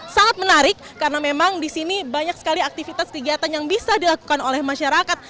sangat menarik karena memang di sini banyak sekali aktivitas kegiatan yang bisa dilakukan oleh masyarakat